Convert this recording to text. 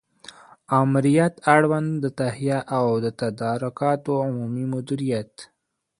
آمریت اړوند د تهیه او تدارکاتو عمومي مدیریت